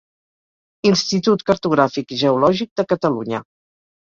Institut Cartogràfic i Geològic de Catalunya.